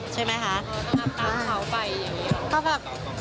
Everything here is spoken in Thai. ใช่ไหมคะอ๋อต้องอัพตามเขาไปอย่างนี้หรอ